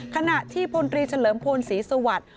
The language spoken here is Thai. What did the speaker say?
ขณะที่พลตรีเฉลิมพลศรีสวัสดิ์